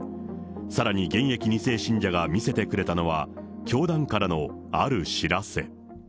さらに現役２世信者が見せてくれたのは、教団からのある知らせ。